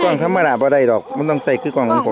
ธรรมดาไม่ได้หรอกมันต้องใส่คือกล้องของผม